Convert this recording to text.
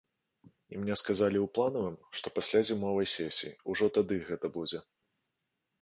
І мне сказалі ў планавым, што пасля зімовай сесіі, ужо тады гэта будзе.